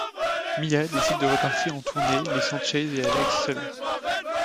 Mia décide de repartir en tournée laissant Chase et Alex seuls.